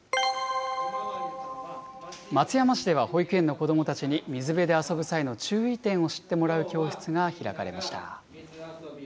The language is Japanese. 松山市では、保育園の子どもたちに、水辺で遊ぶ際の注意点を知ってもらう教室が開かれました。